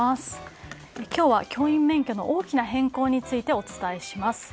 今日は教員免許の大きな変更についてお伝えします。